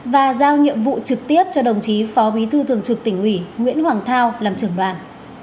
và giao nhiệm vụ trực tiếp cho đồng chí phó bí thư thường trực tỉnh ủy nguyễn hoàng thao làm trưởng đoàn